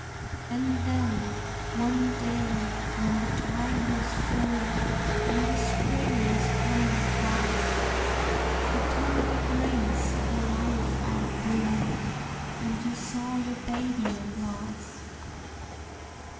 And then, one day, when the time was full, And the spring was coming fast, The tender grace of a life outbloomed, And you saw your baby at last.